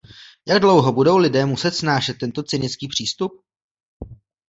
Jak dlouho budou lidé muset snášet tento cynický přístup?